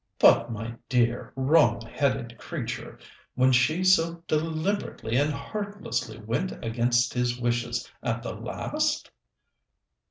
"But, my dear, wrong headed creature, when she so deliberately and heartlessly went against his wishes at the last?"